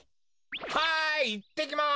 はいいってきます！